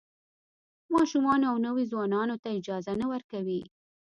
ماشومانو او نویو ځوانانو ته اجازه نه ورکوي.